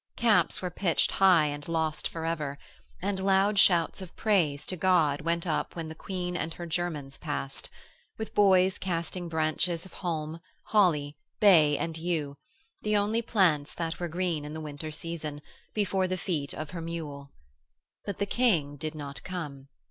Caps were pitched high and lost for ever, and loud shouts of praise to God went up when the Queen and her Germans passed, with boys casting branches of holm, holly, bay and yew, the only plants that were green in the winter season, before the feet of her mule. But the King did not come.